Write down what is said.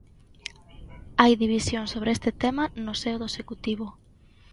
Hai división sobre este tema no seo do Executivo.